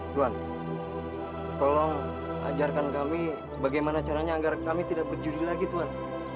tuan tolong ajarkan kami bagaimana caranya agar kami tidak berjudi lagi tuhan